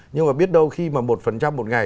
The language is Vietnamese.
nhưng mà biết đâu khi mà một một ngày